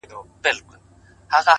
صبر د سختو ورځو ملګری دی!